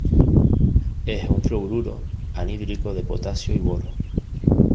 Es un fluoruro anhidro de potasio y boro.